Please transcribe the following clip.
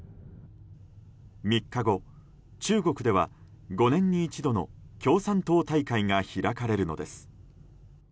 ３日後、中国では５年に一度の共産党大会が開かれるのです。